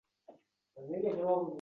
Shu payt zalda jonlanish boshlandi